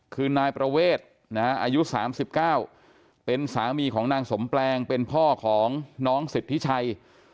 คือนายประเวทอายุ๓๙เป็นสามีของนางสมแปลงเป็นพ่อของน้องสิทธิชัย